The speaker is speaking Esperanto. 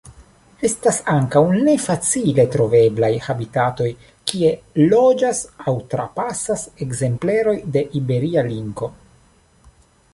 Estas ankaŭ ne facile troveblaj habitatoj kie loĝas aŭ trapasas ekzempleroj de Iberia linko.